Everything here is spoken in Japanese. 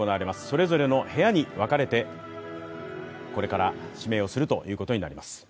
それぞれの部屋に分かれてこれから指名をするということになります。